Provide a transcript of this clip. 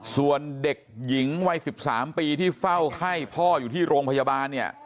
ส่วนเด็กหญิงวัย๑๓ปีที่เฝ้าไข้พ่ออยู่ที่โรงพยาบาลเนี่ย